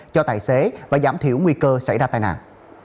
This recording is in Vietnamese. cho tài xế và giảm thiểu nguy cơ xảy ra tai nạn